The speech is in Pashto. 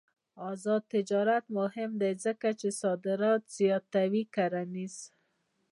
آزاد تجارت مهم دی ځکه چې صادرات زیاتوي کرنيز.